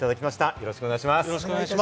よろしくお願いします。